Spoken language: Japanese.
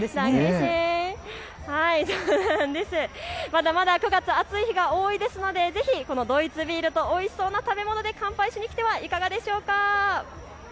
まだまだ９月、暑い日が多いですので、ぜひドイツビールとおいしそうな食べ物で乾杯しに来てはいかがでしょうか。